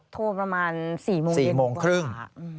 โทรประมาณ๔โมงครึ่ง